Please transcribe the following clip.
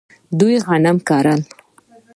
دوی غنم کرل.